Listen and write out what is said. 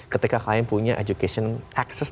ketika kalian punya education access